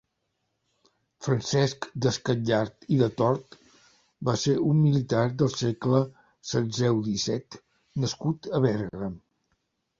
Francesc Descatllar i de Tord va ser un militar del segle setzeu-disset nascut a Berga.